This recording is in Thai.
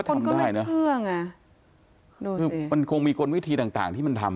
เออเขาทำได้นะดูสิมันคงมีกลมิถีต่างที่มันทำ